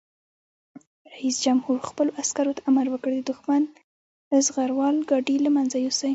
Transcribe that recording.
رئیس جمهور خپلو عسکرو ته امر وکړ؛ د دښمن زغروال ګاډي له منځه یوسئ!